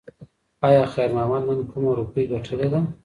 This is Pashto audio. ایا خیر محمد نن کومه روپۍ ګټلې ده؟